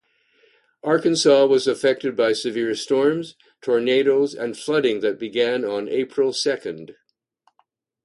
Arkansas was affected by severe storms, tornadoes and flooding that began on April second.